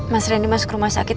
mas reny masuk rumah sakit